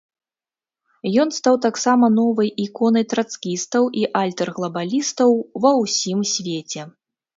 Ён стаў таксама новай іконай трацкістаў і альтэрглабалістаў ва ўсім свеце.